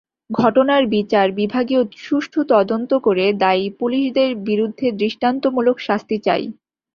ঘটনার বিচার বিভাগীয় সুষ্ঠু তদন্ত করে দায়ী পুলিশদের বিরুদ্ধে দৃষ্টান্তমূলক শাস্তি চাই।